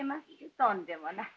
とんでもない。